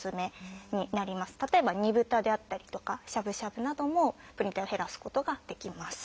例えば煮豚であったりとかしゃぶしゃぶなどもプリン体を減らすことができます。